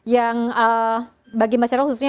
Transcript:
yang bagi masyarakat khususnya